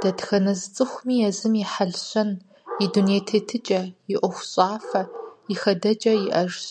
Дэтхэнэ зы цӏыхуми езым и хьэлщэн, и дуней тетыкӏэ, и ӏуэхущӏафэ, и хэдэкӏэ иӏэжщ.